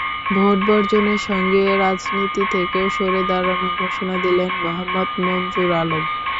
Vote বর্জনের সঙ্গে রাজনীতি থেকেও সরে দাঁড়ানোর ঘোষণা দিলেন মোহাম্মদ মনজুর আলম।